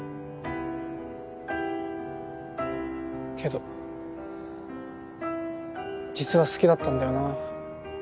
けど実は好きだったんだよな。